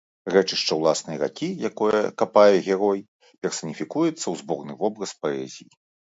Рэчышча ўласнай ракі, якое капае герой, персаніфікуецца ў зборны вобраз паэзіі.